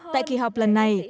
tại kỳ họp lần này